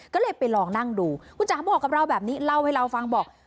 ก็เลยไปลองนั่งดูคุณจ๋าบอกกับเราแบบนี้เล่าให้เราฟังบอก